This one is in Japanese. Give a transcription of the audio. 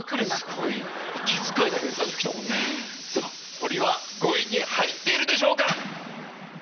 ホリは５位以内に入っているでしょうか